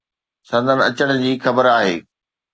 سندن اچڻ جي خبر آهي